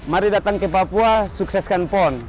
mari datang ke papua sukseskan pon